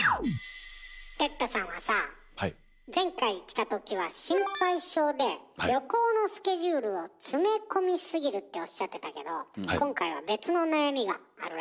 哲太さんはさあ前回来た時は心配性で旅行のスケジュールを詰め込みすぎるっておっしゃってたけど今回はあら。